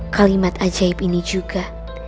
kalimat ajaib ini juga